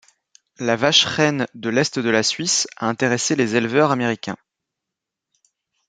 La vache reine de l'est de la Suisse a intéressé les éleveurs américains.